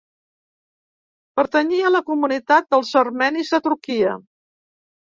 Pertanyia a la comunitat dels Armenis de Turquia.